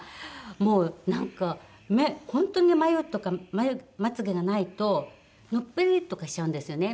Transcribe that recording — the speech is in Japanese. もうなんか本当に眉とかまつ毛がないとのっぺりとかしちゃうんですよね。